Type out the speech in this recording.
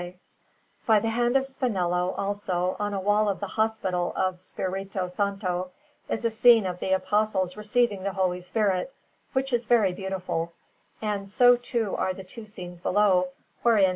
Panel_)] By the hand of Spinello, also, on a wall of the Hospital of Spirito Santo, is a scene of the Apostles receiving the Holy Spirit, which is very beautiful; and so, too, are the two scenes below, wherein S.